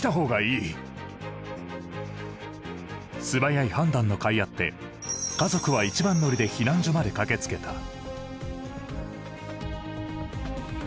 素早い判断のかいあって家族は一番乗りで避難所まで駆けつけた。